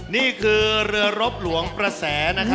นี่คือเรือรบหลวงประแส